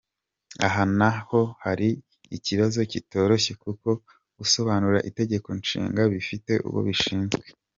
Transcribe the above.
Aha na ho hari ikibazo kitoroshye kuko gusobanura Itegeko Nshinga bifite uwo bishinzwe.